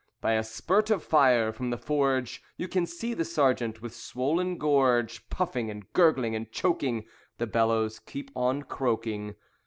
By a spurt of fire from the forge You can see the Sergeant, with swollen gorge, Puffing, and gurgling, and choking; The bellows keep on croaking.